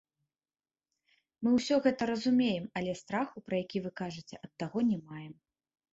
Мы ўсё гэта разумеем, але страху, пра які вы кажаце, ад таго не маем.